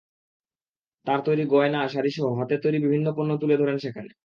তাঁর তৈরি গয়না, শাড়িসহ হাতের তৈরি বিভিন্ন পণ্য তুলে ধরেন সেখানে।